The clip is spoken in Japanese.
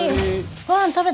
ご飯食べた？